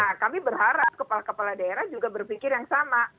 nah kami berharap kepala kepala daerah juga berpikir yang sama